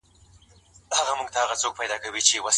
که ميرمن د تفريق غوښتنه وکړي قاضي څه کوي؟